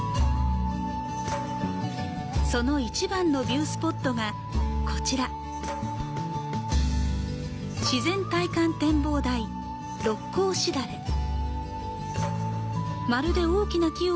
その一番のビュースポットが、こちら自然体感展望台「六甲枝垂れ」。